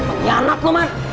penyianat lo man